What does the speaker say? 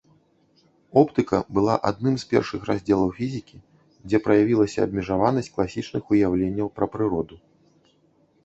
Оптыка была адным з першых раздзелаў фізікі, дзе праявілася абмежаванасць класічных уяўленняў пра прыроду.